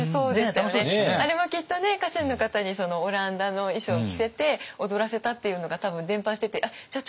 あれもきっとね家臣の方にオランダの衣装着せて踊らせたっていうのが多分伝ぱしててじゃあ